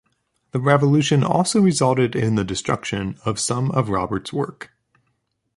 The Revolution also resulted in the destruction of some of Robert's work.